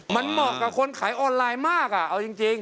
มันเหมาะกับคนขายออนไลน์มากอ่ะเอาจริง